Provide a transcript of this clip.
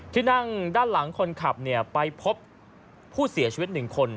ที่นั่งด้านหลังคนขับไปพบผู้เสียชีวิต๑คน